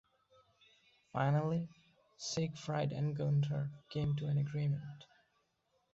Finally Siegfried and Gunther came to an agreement.